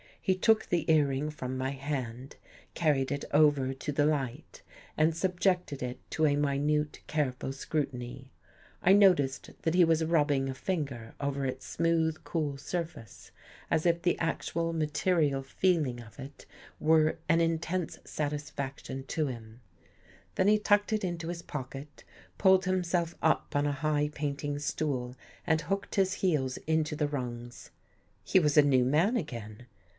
He took the earring from my hand, carried it over to the light and subjected it to a minute, care ful scrutiny. I noticed that he was rubbing a finger over its smooth, cool surface as if the actual, ma 68 BELIEVING IN GHOSTS terial feeling of it were an intense satisfaction to him. Then he tucked it into his pocket, pulled him self up on a high painting stool and hooked his heels into the rungs. He was a new man again.